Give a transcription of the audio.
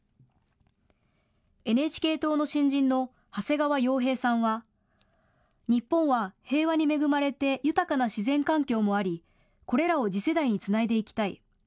ＮＨＫ党の新人の長谷川洋平さんは日本は平和に恵まれて豊かな自然環境もあり、これらを次世代につないでいきたい。